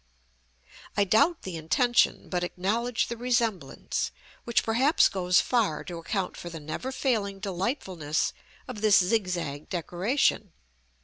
I doubt the intention, but acknowledge the resemblance; which perhaps goes far to account for the never failing delightfulness of this zigzag decoration.